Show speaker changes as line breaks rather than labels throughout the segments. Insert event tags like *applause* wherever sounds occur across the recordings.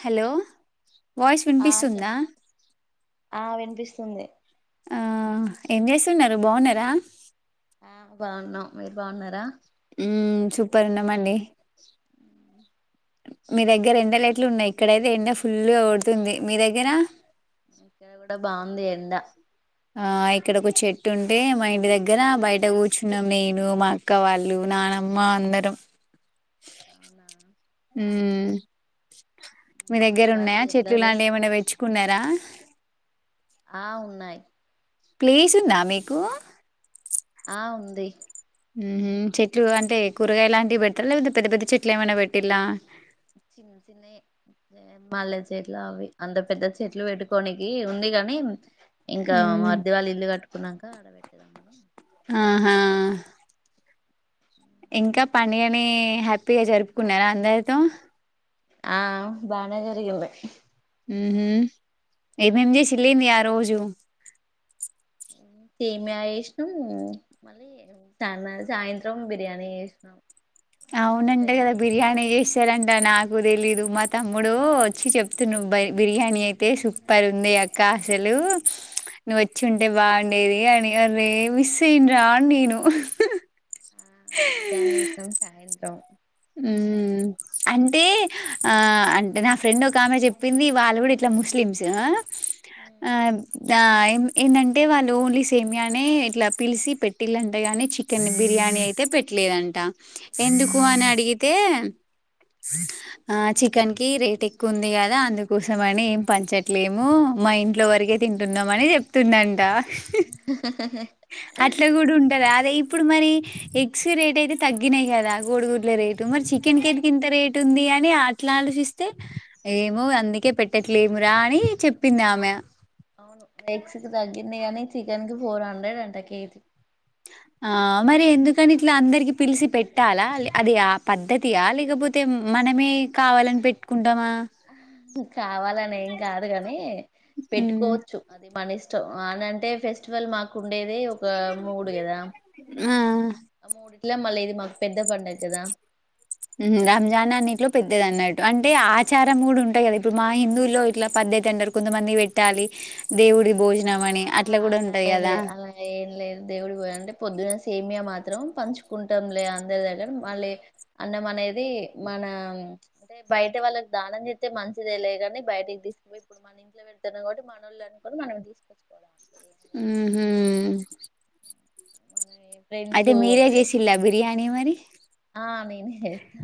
Hello voice
ఆ
వినిపిస్తుందా
చెప్పండి ఆ వినిపిస్తుంది
ఆ ఏం చేసున్నారు బాగున్నారా
ఆ బాగున్నాం మీరు బాగున్నారా
మ్మ్ సూపర్ ఉన్నామండి మీ దగ్గర ఎండ లెట్లు ఉన్నాయి ఇక్కడయితే ఎండ ఫుల్లుగ కొడుతుంది మీ దగ్గర
ఇక్కడ కూడా బాగుంది ఎండ
ఆ ఇక్కడ ఒక చెట్టు ఉంటే మా ఇంటి దగ్గర బయట కూర్చున్నాం నేను మా అక్క వాళ్ళు నానమ్మ అందరం
అవునా
మ్మ్ మ్ మీ
నా
దగ్గర
ఉగాది
ఉన్నాయా
ఎట్లా
చెట్లు లాంటివి ఏమైనా
చేసుకున్నారు
వెచ్చుకున్నారా
ఆ ఉన్నాయ్
ప్లేస్ ఉందా మీకు
ఆ ఉంది
మ్మ్ హ్మ్ చెట్లు అంటే కూరగాయ లాంటివి పెడతారా లేదపోతే పెద్ద పెద్ద చెట్లు ఏమైనా పెట్టిల్లా
చిన్న చిన్నయే మల్లె చెట్లు అవి, అంత పెద్ద చెట్లు పెట్టుకోనికి ఉంది గాని, ఇంకా మా
మ్మ్
మరిది వాళ్ళు ఇల్లు కట్టు తిన్నాంక ఆడవెట్టేదా మనం
ఆహా ఇంకా పండగని హ్యాపీగా జరుపుకున్నారా అందరితో
ఆ బానే జరిగింది
మ్మ్ హ్మ్ యేమేం చేసిల్లేంది ఆ రోజు
మ్మ్ సేమ్యా చేసినాం, మళ్ళీ చానా సాయంత్రం బిర్యానీ చేసినాం.
అవునంట
ఫ్రెండ్స్
కదా
వచ్చిరు
బిర్యానీ చేస్తారంట నాకు నాకు తెలీదు మా తమ్ముడు వచ్చి చెప్తుండు నువ్వు బ బిర్యానీ అయితే సూపర్ ఉండే అక్క. అసలు నువ్వు వచ్చి ఉంటే బాగుండేది అని అరే మిస్ అయిన రా నేను.
ఆ బిర్యానీ ఇష్టం సాయంత్రం
ఉ అంటే ఆ అంటే నా ఫ్రెండ్ ఒక ఆమె చెప్పింది వాళ్ళు కూడా ఇట్లా ముస్లిమ్స్ ఆమ్ దాయ్ ఎం ఏంటంటే వాళ్ళు ఓన్లీ సేమ్యా నే ఇట్లా పిలిసి పెట్టిళ్లంటగానీ చికెన్ బిర్యానీ అయితే పెట్టలేదంట. ఎందుకు అని అడిగితే ఆ చికెన్ కి రేట్ ఎక్కువ ఉంది కదా అందుకోసం అని ఏం పంచట్లేము, మా ఇంట్లో వరకే తింటున్నామ అని చెప్తుండంట. అట్లా కూడు ఉంటదాదే ఇప్పుడు మరి ఎగ్స్ రేట్ అయితే తగ్గినయి కదా గోడుగుడ్ల రేట్ టుమచ్ చికెన్
అవును
కెందుకింత రేట్ ఉంది అన్ అని అట్లా ఆలోచిస్తే ఏమో అందుకే పెట్టట్లేమురా అని చెప్పింది ఆమె.
అవును విక్స్‌కి తగ్గింది కాని చికెన్ కి ఫోర్ హండ్రెడ్ అంట కేజీ.
ఆ మరి ఎందుకని ఇట్లా అందరికి పిలిసి పెట్టాలా, అది ఆ పద్ధతియా లేకపోతే మనమే కావాలని పెట్టుకుంటమా.
కావాలని ఏం కాదు కాని
ఉమ్
పెట్టుకోవచ్చు అది మన ఇస్ ష్టం అని అంటే ఫెస్టివల్ మాకు ఉండేది ఒక మూడు కదా
ఆ
ఆ మూడు ట్లా మళ ఇది మా పెద్ద పండుగ కదా.
హ్ రంజానే అన్నిట్లో పెద్దది అన్న టు అంటే ఆచారం కూడ ఉంటయి కదా ఇప్పుడు మా హిందువుల్లో ఇట్లా పద్ధతి అంటరు. కొంతమందికి పెట్టాలి దేవుడిది భోజనం అని
ఆ
అట్లా కూడా
అలా
ఉంటది కదా
ఏంలే అలా ఎంలేదు దేవుడి పోయా అంటే పొద్దున సేమియా మాత్రం పంచుకుంటాం లే అందరి దగ్గరా. మళ్ళీ అన్నం అనేది మన అంటే బయట వాళ్ళకి దానం చెస్తే మంచిదే లే. కాని బయటికి తీసుకుపోయి ఇప్పుడు మన ఇంట్లో పెడుతున్నాం కాబట్టి మన వాళ్ళు అనుకొని మనం తీసుకు
హుహ్
ఫ్రెండ్సు
చేసిల్లా బిర్యానీ మరి
ఆ నేనే చేస్తా.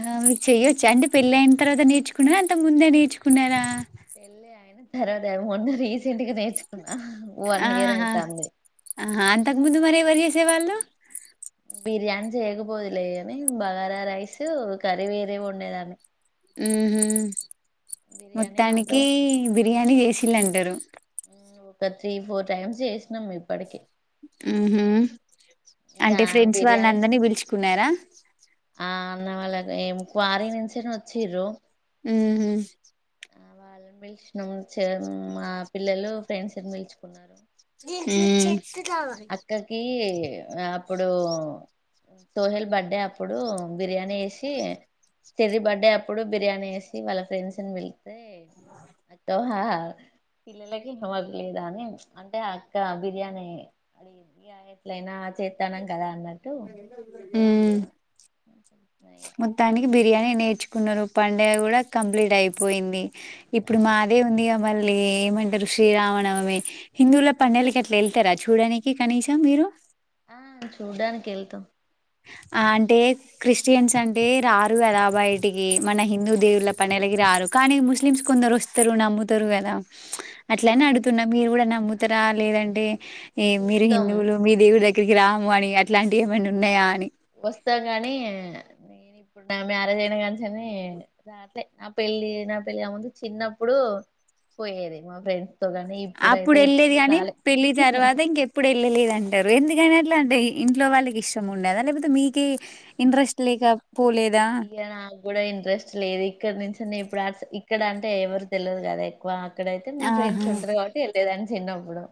ఆ చెయొచ్చా అంటే పెళ్ళి అయిన తర్వాత నేర్చుకున్నారా, అంతకు ముందే నేర్చుకున్నారా.
పెళ్ళి అయిన తర్వాత మొన్న రీసెం ట్లా నేర్చుకున్నా. వన్ ఇయర్
ఆహా
అయితంది.
సే వాళ్ళు.
బిర్యానీ చేయకపోదులే గాని బగారా రైస్, కర్రీ వేరే వండేదాన్ని.
హుహ్
బిర్యానీ
మొత్తానికి
మాత్రం హండ్రెడ్
బిర్యానీ
పర్సెంట్
చేసిళ్ళంటరు.
ఒక త్రీ ఫోర్ టైమ్స్ చేసినము ఇప్పడికి.
హుహ్
ఇక
అంటే ఫ్రెండ్స్ వాళ్ళ
బిర్యానీ
అందరినీ పిలుచుకున్నరా.
ఆ అన్న వాళ్ళకి ఏం క్వారీ నుంచే వచ్చిర్రు.
హుహ్
ఆ *unintelligible* వాళ్ళ చె మా పిల్లలు ఫ్రెండ్స్ పిలుచుకున్నాను.
హ్
అక్కకి అప్పుడు సోహెల్ బర్డె అప్పుడు బిర్యానీ చేసి, చెర్రీ బర్డె అప్పుడు బిర్యానీ చేసి వాళ్ళ ఫ్రెండ్స్ని పిలిత్తె అక్క పిల్లలకి హోం వర్క్ లేదా అని చ్ అంటే అక్క బిర్యానీ ఎట్లైనా చేత్తన్నం కదా అన్నట్టు
ఉమ్
ఇగ
మొత్తానికి
వాళ్ళు
బిర్యానీ నేర్చుకు పునరు పండగ కూడా కంప్లీట్ అయిపోయింది. ఇప్పుడు
ఆ
మాదే ఉందిగా మళ్ళ్ అ ఏమంటారు శ్రీరామనవమి హిందువుల పండగలకి అట్లా వెళ్తారా చూడడానికి కనీసం మీరు
ఆ చూడ్డానికి ఎళ్తాం
ఆ అంటే క్రిస్టియన్స్ అంటే రారు గదాబై ఇటికి మన హిందూ దేవుళ్ల
చూడ్డానికి
పనులకి
వెళ్తాం
రారు కానీ ముస్లిమ్స్ కొందరు వస్ ఇస్తరు నమ్ముతరు కదా అట్లనే
అవును
అడుగుతున్నా మీరు కూడా నమ్ము ఇతర లేదండి ఏ మీరు
చూత్తాం
హిందువులు మీ దేవులు ఎ ఇక్కడికి రాము అని అట్లాంటియి ఏమైనా ఉన్నాయా అని?
వస్తాను కానీ నేను ఇప్పుడు నా మ్యారేజ్ అయినా కాంచని రాట్లే నా పెళ్ళి నా పెళ్ళికాక ముందు చిన్నప్పుడు పోయేది మా ఫ్రెండ్స్ తో కాని
అప్పుడు
ఇప్పుడైతే
వెళ్ళలేదు
ఎప్పుడు
గాని
రాలే
పెళ్లి తర్వాత ఇంకెప్పుడు వెళ్ళలేదు అంటారు ఎందుకని అట్లా అంటే ఇంట్లో వాళ్ళకి ఇష్ అత్తమ్మ ఉండాదా లేకపోతే మీకే ఇంట్రెస్ట్ లేక పోలేదా
ఇక నాకు కూడా ఇంట్రెస్ట్ లేదు ఇక్కడ నుంచిని ఇప్పుడు ఆర్స్ ఇక్కడ అంటే ఎవరు తెలవదు కదా ఎక్కువ ఇక్కడైతే మా
ఆహా
ఫ్రెండ్స్ ఉంటరు కాబట్టి వెళ్ళేదాన్ని చిన్నప్పుడు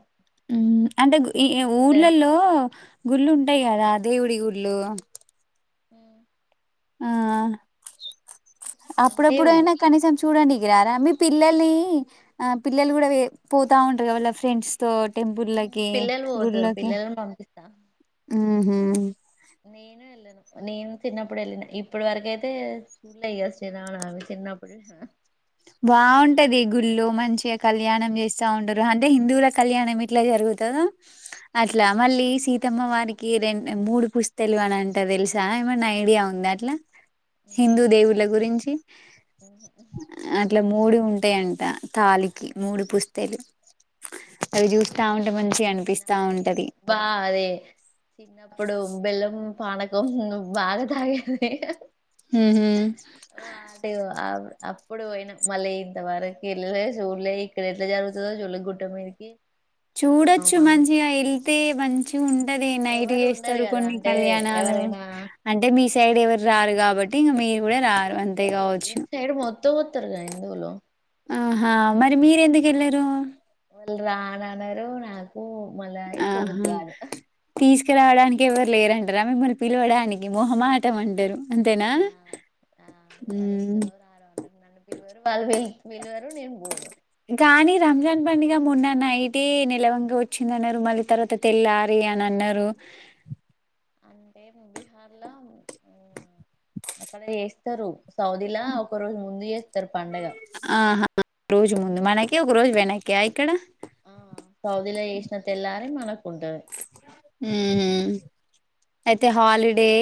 హ్మ్ అంటే ఈ
ఇక్కడ
ఊర్ళలో గుళ్ళుం ఉంటయి గదా దేవుడి గుళ్ళు
హ్మ్
ఆ
అంటే
అప్పుడప్పుడు
ఉ-
అయినా కనీసం చూడండికిరారా మీ పిల్లల్ని ఆ పిల్లలు కూడా పోతా ఉంటారు క వాళ్ళ ఫ్రెండ్స్
ఉమ్,
టెంపులోకి
పిల్లలు పోతారు
గుళ్ళకి
పిల్లలను పంపిస్తా
ఆహ
నేను వెళ్ళను నేను చిన్నప్పుడు వెళ్ళిన ఇప్పటి వరక అయితే చూడయ కస్త నాను అవి చిన్నప్పుడు
బాగుంటది గుళ్ళు మంచిగా కళ్యాణం చేస్తా ఉంటారు అంటే హిందువుల కళ్యాణం ఇట్లా జరుగుతుందో అట్లా మళ్ళీ సీతమ్మ వారికి రెం మూడు పుస్తలు అని అంట తెలుసా ఏమన్నా ఐడియా ఉందిా అట్లా
ఉమ్,
హిందూ
నాకు అవి
దేవుల గురించి అట్లా మూడు ఉంటాయంట తాళికి మూడు పుస్తేలు
బా అదే చిన్నప్పుడు బెల్లం పానకం బాగా తాగేది
ఉహు
ఓ ఆడు ఆ అప్పుడు పోయిన మళ్ళీ ఇంతవరకు ఎల్లలే చూళ్ళే ఇక్కడ ఎట్లా జరుగుతుందో చూళ్ళే గుట్ట మీదకి ఆ
చూడొచ్చు
మన
మంచిగా వెళ్తే మంచి *unintelligible* అది నైట్
ఎవరు ఉండరు
చేస్తారు
కదా
కొన్ని
అంటే
కళ్యాణాలు
ఎవరైనా
అంటే మీ సైడ్ ఎవరురారు కాబట్టి ఇంగ మీ
తారు ఇది సైడ్ మొత్తం ఉతారు నువు లో
ఆహా మరి మీరు ఎందుకు వెళ్ళారు
వాళు రాన అన్నారు నాకు మలయి పోగుది అంట
ఇకి రావడానికి ఎవరు లేరంటారా మిమ్మల్ని పిలవడానికి మొహమాటం అంటారు
ఆ ఆ ఇ వాళ్ళు
హ్మ్.
వస్తారో రారో అండి వాళ్ళు ఇళ్ళు విళ్ళు
గాని రంజాన్ పండిగా మొన్న నైటి నిలవక వచ్చింది అన్నారు మళ్ళీ తర్వాత తెల్లారి అని అన్నారు
అంటే బీహార్ లో అక్కడ ఎస్తారు సౌదిలా ఒక రోజు ముందు చే
ఆహా రోజు ముందు మనకి ఏ ఒక రోజు వెనాక్యా ఇక్కడ
అది మన
ఆ అయితే హాలిడే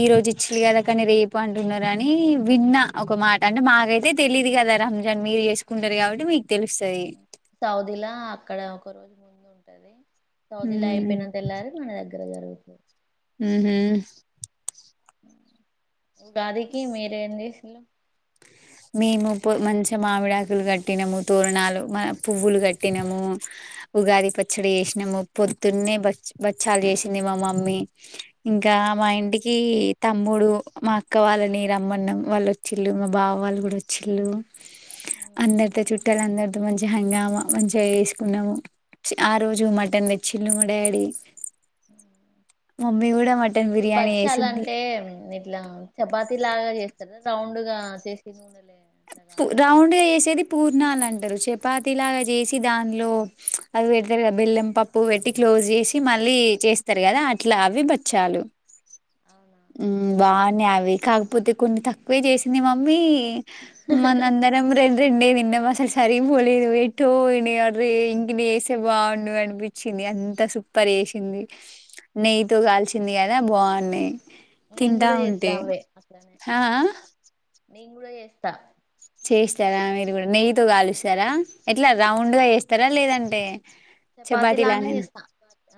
ఈ రోజు ఇచ్చది కదా కానీ రేపు అంటున్నారు అని విన్నా ఒక మాట అంటే మాకైతే తెలీదు కదా రంజాన్ మీరు చేసుకుంటారు కాబట్టి మీకు తెలుస్తు
సౌదీలా అక్కడ ఒక రోజు ముందు ంటదే సౌదిల
హ్మ్.
అయిపోయినంత తెల్లారి మన దగ్గర జరుగుతుంది అ
ఉహుమ్
ఉగాదికి మీరే ఏం చేసిలు
మేముొ మంచిగా మామిడాకులు కట్టినము తోరణాలు పువ్వులు కట్టినాము ఉగాది పచ్చడి చేసినాము పొద్దున్నే బ బచ్చాలు చేసింది మా మమ్మీ ఇంకా మా ఇంటికి తమ్ముడు మా అక్క వాళ్ళని రమ్మన్నం వాళ్ళు వచ్చిళు మా బావ వాళ్ళు వచ్చిళు అందరితో చుట్టాల అందరితో మంచి హంగామా మంచిగా వేసుకున్నాము ఆ రోజు మటన్ తెచ్చిళు మా డాడీ మమ్మీ కూడా మటన్
అంటే
బిర్యానీ
బచ్చాల
చేసింది
అంటే ఇట్లా చపాతి లాగా చేస్త ర రౌండ్ గా చేసి ఉండలే
రౌండ్ చేసేది పూర్ తన్నాాలంటారు చపాతి లాగా చేసి దానిలో అది పెడతారు కదా బెల్లం పప్పు పెట్టి క్లోజ్ చేసి మళ్ళీ చేస్తారు కదా అట్లా అవి బచ్చాలు
అవునా
బాగున్నాయి అవి కాకపోతే కొన్ని తక్కువే చేసింది మమ్మీ ఎ మనందరం కుడ రం రండే నిన్నం అసలు సరిగిపోలేదు ఎటో ఇంకనే వేసే బాగుండు అనిపించింది అంత సూపర్ వేసిండు నెయ్యి తో కాగాల్చిందిగా అదే బగుంధి
నేను
తింటా
కూడా చేస్తా
ఉంటే
అవే అట్లనే
హా ఆ
నేను కూడా ఏస్తా
చేస్తారా మీరు కూడా నె కలుస్తారా ఎట్లా
ఆ
రౌండ్
నేను
గా వస్తారా లేదంటే టీ చపాతి లానే నా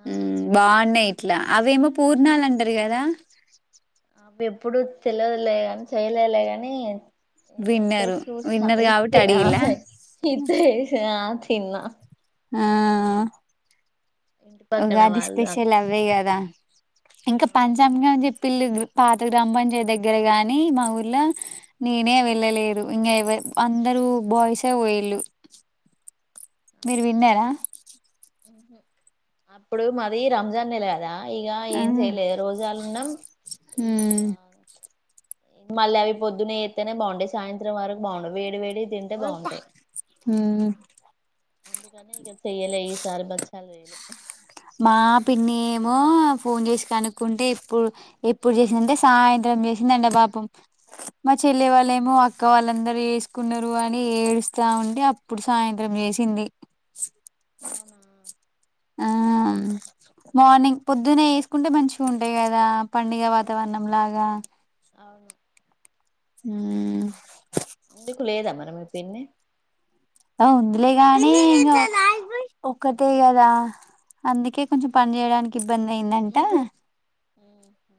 ఆ
ఉమ్
ఇట్లానే చేస్తా
బాగున్నాయి ఇట్లా అవేమో పూర్ణాల అంటారు కదా
అ ఎప్పుడుూ తెలియలే కాని చేయలేలే ని ఏంటే
విన్నరు
చూసిన
విన్నరు కాబట్టి
ఇస్తే ఆ
అడిగిలా
ఇ చూసిన తిన్న
ఆ
ఇంటి పక్కన
ఉగాది
వాళ్ళు అక్క
స్పెషల్ అవ్వే గదా ఇంకా
అవును
పంచామంగంని చెప్ప పిల్లు పాత గ్రామ పంచాయత్ దగ్గర గాని మా ఊర్లో నేనే వెళ్ళలేరు ఇంకా ఎవ అందరుూ బాయ్సే వయళు మీరు విన్నారా
ఉహుమ్ అప్పుడు మాది రంజాన్లుల కదా ఇగ
ఆ
ఏం చేయలేదు రోజలు ఉన్నాం ఇ
మ్మ్
మళ్ళీ అవి పొద్దున్నయిస్తతేనే బాగుండే సాయంత్రం వరకు బాగుండే వేడి వేడి తింటే బాగుంటాయి
ఉమ్
అందుకనే ఇక చెయలే ఇసారి బచాల చెయాలే
మా పిన్ని ఏమో ఫోన్ చేసి కనుక్కుంటే ఎప్పుడు ఎప్పుడు చేసిందంటే సాయంత్రం చేసిందంటే పాపం మా చెల్లలే వాళ్ళ ఏమో అక్క వాళ్ళందరుూ వసుకున్నారు అని ఏడుస్తా ఉంటే అప్పుడు సాయంత్రం చేసింది
అవునా
ఆ మార్నింగ్ పొద్దున్న వేసుకుంటే మంచిగా ఉంటాయి కదా పండుగ
అవునవును
వాతావరణం లాగా
అవును
హ్మ్
ఎందుకు లేదా మరి మీ పిన్ని
ఉందులే గానీ ఇ ఒక్కటే కదా అందుకే కొంచెం పని చేయడానికి ఇబ్బంది అయిందంట
ఉమ్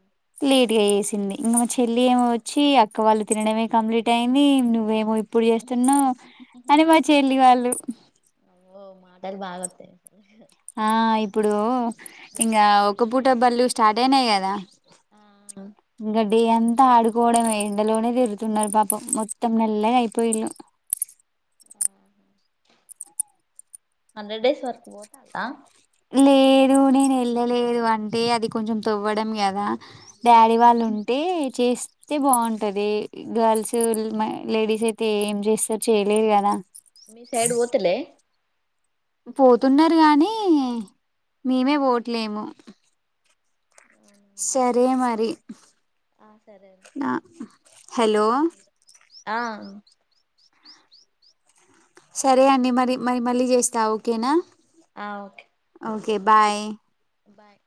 చెసింది ఇంక మా చెల్లి ఏమో వచ్చి అక్క వాళ్ళు తినడమే కంప్లీట్ అయింది నువ్వేమో ఇప్పుడు చేస్తును అని మా చెల్లి వాళ్ళు
మాటల్ బాగొతాయ్
ఆ ఇప్పుడూ ఇంగా ఒక పూట బళ్ళు స్టార్ట్ అయినాయి గదా ఇంగ డే అన్ ఆడుకోవడమే ఎండలోనే తిరుగుతున్నారు పాపం మొత్తం నల్లగా అయిపోయిళు
హండ్రెడ్ డేస్ వరకు పోతాలా
లేదు నేను ఎళ్ళలేదు అంటే అది కొంచెం తవ్వడం కదా డాడీ వాళ్ళు ఉంటే చేస్ అయితే బాగుంటది గర్ల్స్ లేడీస్ అయితే ఏం చేస్తర్ చేయలేరు కదా
మీ సైడ్ పోతలే
పోతున్నారు గానీ మేమే పోవట్లే ఏమో సరే మరి
ఆ సరే
నా హలో హలో
ఆ
సరే అండి మరి మరి మళ్ళీ చేస్తా ఓకేనా
ఆ ఓకే
ఓకే బాయ్
బాయ్